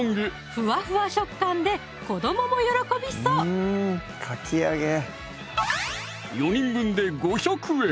ふわふわ食感で子どもも喜びそう４人分で５００円